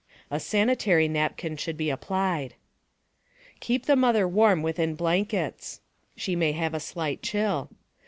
A sanitary napkin should be applied. Keep the mother warm with blankets. She may have a slight chill.